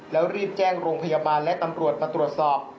แล้วรีบแจ้งโรงพยาบาลและตำรวจมาตรวจสอบ